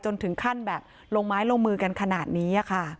ถึงขั้นแบบลงไม้ลงมือกันขนาดนี้ค่ะ